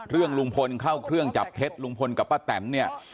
ลุงพลเข้าเครื่องจับเท็จลุงพลกับป้าแตนเนี่ย